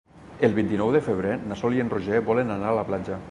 El vint-i-nou de febrer na Sol i en Roger volen anar a la platja.